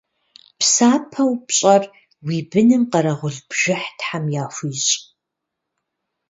Псапэу пщӏэр уи быным къэрэгъул бжыхь Тхьэм яхуищӏ.